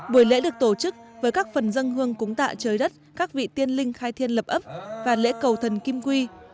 buổi lễ được tổ chức với các phần dân hương cúng tạ trời đất các vị tiên linh khai thiên lập ấp và lễ cầu thần kim quy